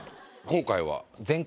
今回は？